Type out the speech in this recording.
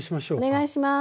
お願いします。